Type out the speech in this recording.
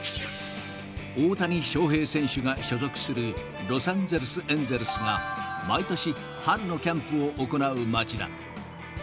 大谷翔平選手が所属するロサンゼルスエンゼルスが、毎年春のキャンプを行う街だ。